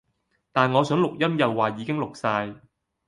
但我想錄音又話已經錄晒